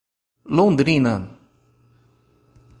Londrina